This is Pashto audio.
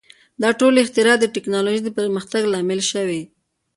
• دا ټولې اختراع د ټیکنالوژۍ د پرمختګ لامل شوې.